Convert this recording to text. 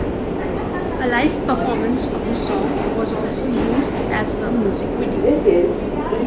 A live performance of the song was also used as a music video.